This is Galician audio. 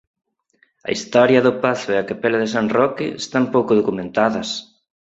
A historia do pazo e a capela de San Roque están pouco documentadas.